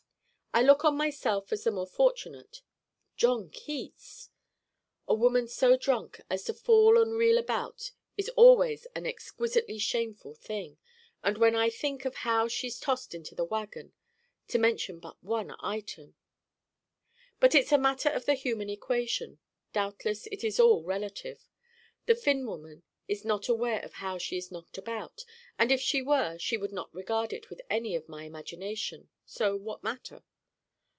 I look on myself as the more fortunate. John Keats! A woman so drunk as to fall and reel about is always an exquisitely shameful thing. And when I think of how she's tossed into the wagon to mention but one item But it's a matter of the human equation. Doubtless it is all relative. The Finn woman is not aware of how she is knocked about, and if she were she would not regard it with any of my imagination. So what matter?